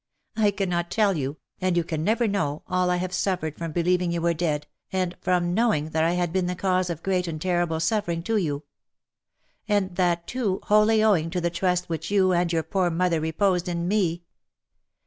I cannot tell you, and you can never know, all I have suffered from believing you were dead, and from knowing that I had been the cause of great and terrible suffering to you. And that, too, wholly owing to the trust which you, and your poor mother reposed in me